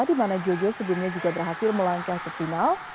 di mana jojo sebelumnya juga berhasil melangkah ke final